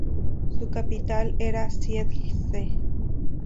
Su capital era Siedlce.